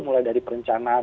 mulai dari perencanaan